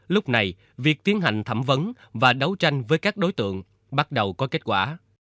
lúc này việc tiến hành thẩm vấn và đấu tranh với các đối tượng bắt đầu có kết quả